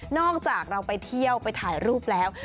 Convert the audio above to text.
จากเราไปเที่ยวไปถ่ายรูปแล้ว